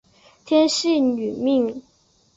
天钿女命。